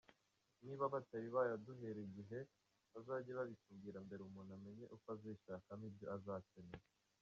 Niba batari buyaduhere igihe bazajye babitubwira mbere umuntu amenye uko azishakaho ibyo azakenera.